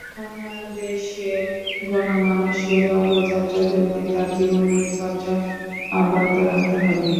বাংলাদেশের গণমানুষের অগ্রযাত্রার জন্যই তাঁর জীবন নিয়ে চর্চা অব্যাহত রাখতে হবে।